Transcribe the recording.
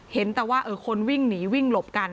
เห็นแต่ว่าคนวิ่งหนีวิ่งหลบกัน